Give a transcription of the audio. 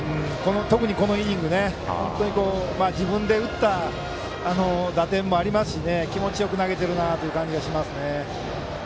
特に、このイニングは自分で打った打点もありますし気持ちよく投げている感じがします。